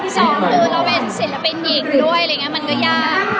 สองคือเราเป็นศิลปินหญิงด้วยมันต้องยาก